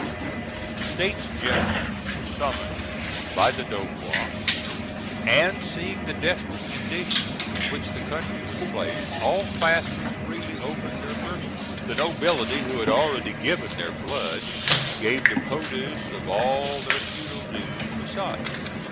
The States General were summoned by the Dauphin, and, seeing the desperate condition in which the country was placed, all classes freely opened their purses. The nobility, who had already given their blood, gave the produce of all their feudal dues besides.